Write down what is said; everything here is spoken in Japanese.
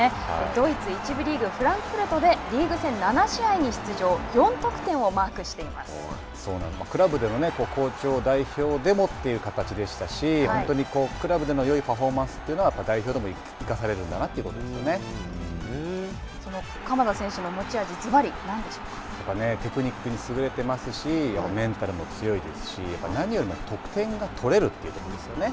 ドイツ１部リーグフランクフルトでリーグ戦７試合に出場クラブでの好調を代表でもという形でしたし本当にクラブでのよいパフォーマンスというのは代表でも生かされるんだなその鎌田選手の持ち味テクニックに優れてますしメンタルも強いですし何よりも得点が取れるということですよね。